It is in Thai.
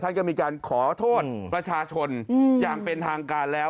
ท่านก็มีการขอโทษประชาชนอย่างเป็นทางการแล้ว